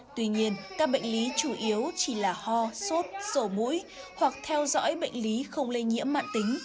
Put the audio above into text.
tuy nhiên các bệnh lý chủ yếu chỉ là ho sốt sổ mũi hoặc theo dõi bệnh lý không lây nhiễm mạng tính